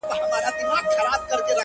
پر اوږو د وارثانو جنازه به دي زنګېږي!.